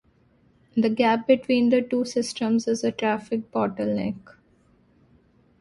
The gap between the two systems is a traffic bottleneck.